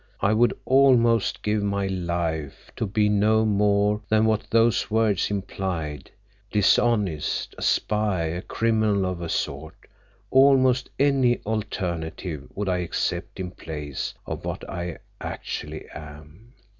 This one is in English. "I would almost give my life to be no more than what those words implied, dishonest, a spy, a criminal of a sort; almost any alternative would I accept in place of what I actually am.